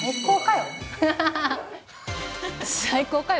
最高かよ。